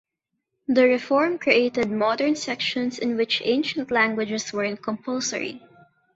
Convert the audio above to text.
The reform created "modern" sections in which ancient languages weren't compulsory.